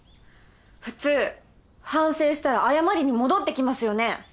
普通反省したら謝りに戻ってきますよね？